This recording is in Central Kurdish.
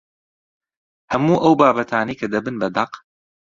هەموو ئەو بابەتانەی کە دەبن بە دەق